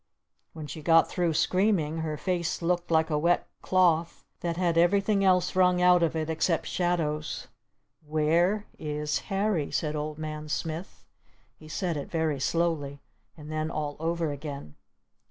When she got through screaming her face looked like a wet cloth that had everything else wrung out of it except shadows. "Where is Harry?" said Old Man Smith. He said it very slowly. And then all over again.